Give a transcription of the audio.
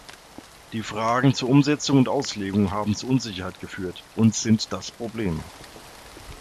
Die Fragen zur Umsetzung und Auslegung haben zu Unsicherheit geführt und sind das Problem.